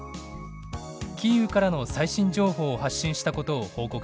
キーウからの最新情報を発信したことを報告しました。